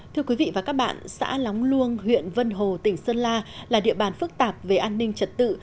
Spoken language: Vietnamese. thưa quý vị và các bạn xã lóng luông huyện vân hồ tỉnh sơn la là địa bàn phức tạp về an ninh trật tự